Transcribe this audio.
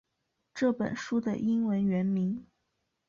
这本书的英文原名